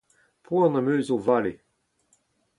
Poan am eus o vale.